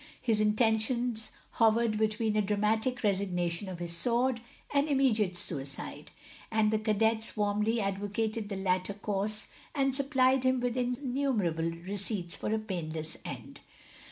His intentions hovered between a dramatic resignation of his sword, and immediate suicide; and the cadets warmly advocated the latter course, and supplied him with innumerable receipts for a painless end.